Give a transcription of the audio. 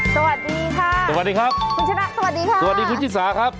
สวัสดีค่ะสวัสดีครับคุณชนะสวัสดีค่ะสวัสดีคุณชิสาครับ